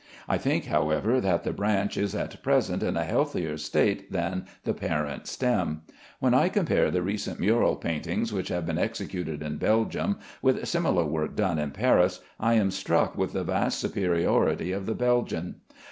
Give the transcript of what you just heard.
I think, however, that the branch is at present in a healthier state than the parent stem. When I compare the recent mural paintings which have been executed in Belgium with similar work done in Paris, I am struck with the vast superiority of the Belgian.